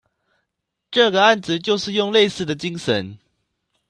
這個案子就是用類似的精神